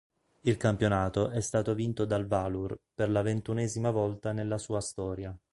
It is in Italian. Il campionato è stato vinto dal Valur per la ventunesima volta nella sua storia.